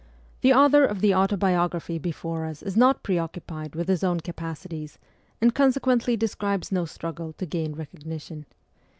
The author of the autobiography before us is not pre occupied with his own capacities, and consequently describes no struggle to gain recognition.